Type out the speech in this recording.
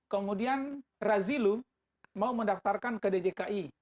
kemudian razilu mau mendaftarkan ke djki